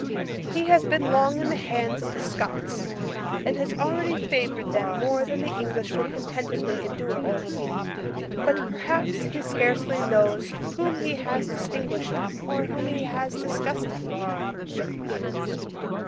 He has been long in the hands of the Scots, and has already favoured them more than the English will contentedly endure. But, perhaps, he scarcely knows whom he has distinguished, or whom he has disgusted.